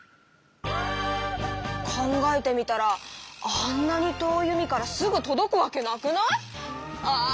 考えてみたらあんなに遠い海からすぐとどくわけなくない⁉ああ